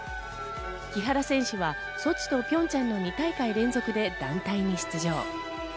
木原選手はソチとピョンチャンの２大会連続で団体に出場。